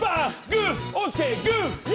グー！